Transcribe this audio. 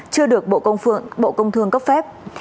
chưa được bộ công thương cấp phép